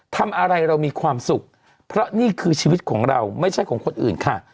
ทำอะไรเรามีความสุขเพราะนี่คือชีวิตของเราไม่ใช่ของคนอื่นค่ะ